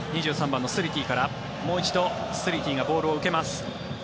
２３番のスリティからもう一度スリティがボールを受けます。